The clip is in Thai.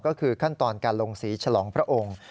ก็คือขั้นตอนการลงสีฉลองพระองค์